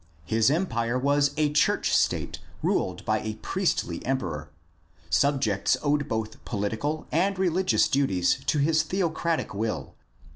His empire was a church state ruled by a priestly emperor. Subjects owed both political and religious duties to his theocratic will.